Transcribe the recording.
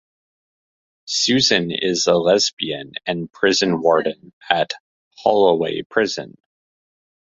Susan is a lesbian and prison warden at Holloway Prison.